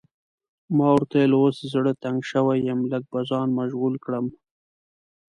ما ورته وویل اوس زړه تنګ شوی یم، لږ به ځان مشغول کړم.